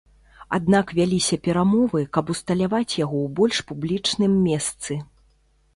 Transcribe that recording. Аднак вяліся перамовы, каб усталяваць яго ў больш публічным месцы.